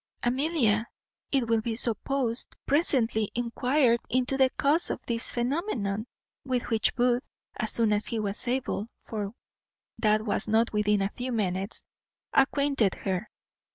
Amelia, it will be supposed, presently enquired into the cause of this phenomenon, with which Booth, as soon as he was able (for that was not within a few minutes), acquainted her.